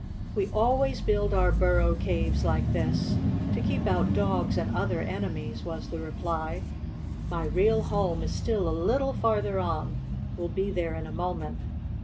"We always build our burrow caves like this, to keep out dogs and other enemies," was the reply. "My real home is still a little farther on. We'll be there in a moment."